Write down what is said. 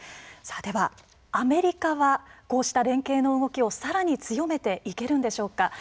ではアメリカはこうした連携の動きをさらに強めていけるんでしょうか。